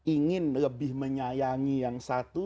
ingin lebih menyayangi yang satu